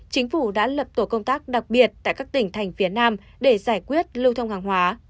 chính phủ đã lập tổ công tác đặc biệt tại các tỉnh thành phía nam để giải quyết lưu thông hàng hóa